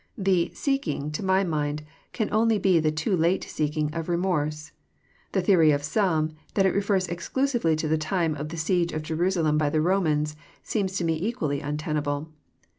The *' seeking," to my mind, can only be the too late seeking of remorse. — The theory of some, that it refers exclusively to the time of the siege of Jerusalem by the Romans, seems to me equally untenable.